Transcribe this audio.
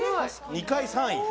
２回３位。